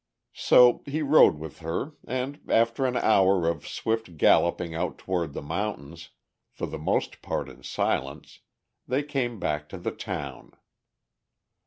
So he rode with her and after an hour of swift galloping out toward the mountains, for the most part in silence, they came back to the town.